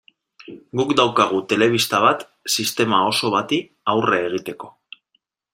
Guk daukagu telebista bat sistema oso bati aurre egiteko.